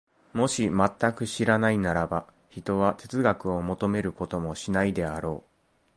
もし全く知らないならば、ひとは哲学を求めることもしないであろう。